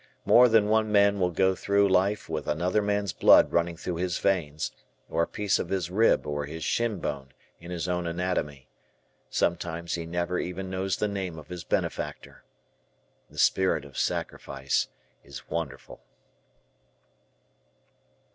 More than one man will go through life with another man's blood running through his veins, or a piece of his rib or his shinbone in his own anatomy. Sometimes he never even knows the name of his benefactor. The spirit of sacrifice is wonderful.